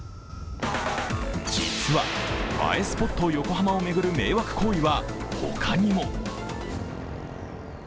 実は映えスポット横浜を巡る迷惑行為は他にも。